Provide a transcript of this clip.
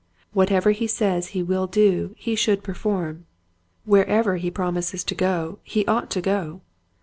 Whatever he says he will do he should perform. Wherever he promises to go he ought to go.